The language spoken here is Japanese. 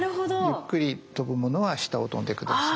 ゆっくり飛ぶものは下を飛んで下さい。